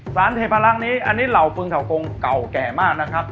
เทพลักษณ์นี้อันนี้เหล่าฟึงเถากงเก่าแก่มากนะครับ